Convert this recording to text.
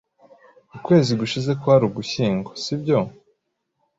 Ukwezi gushize kwari Ugushyingo, sibyo?